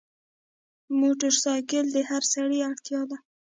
موټرسایکل د هر سړي اړتیا ده.